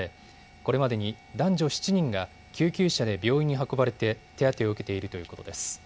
これまでに男女７人が救急車で病院に運ばれて手当てを受けているということです。